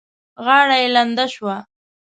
غاړه يې لنده شوه.